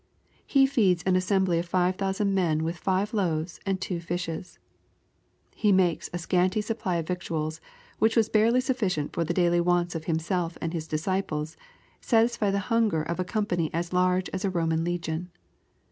He feeds an assembly of five thousand men with five loaves and two fishes. He makes a scanty supply of victuals, which was barely suflScient for the daily wants of Himself and His disciples, satisfy the hunger of a company as large as a Boman legion.